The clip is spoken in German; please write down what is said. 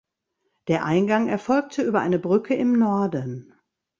Der Eingang erfolgte über eine Brücke im Norden.